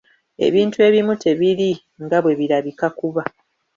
Ebintu ebimu tebiri nga bwe birabika kuba.